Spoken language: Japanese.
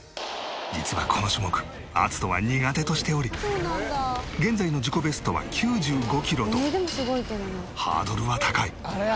実はこの種目アツトは苦手としており現在の自己ベストは９５キロとハードルは高い。